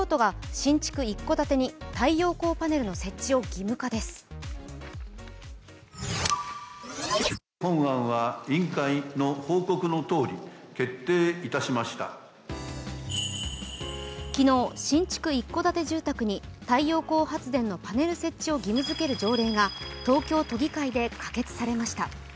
今日、新築一戸建て住宅に太陽光発電のパネル設置を義務づける条例が東京都議会で可決されました。